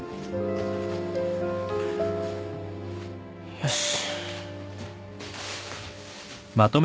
よし。